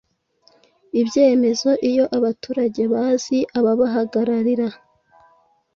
ibyemezo iyo abaturage bazi ababahagararira